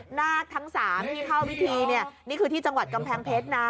นาคทั้ง๓ที่เข้าพิธีเนี่ยนี่คือที่จังหวัดกำแพงเพชรนะ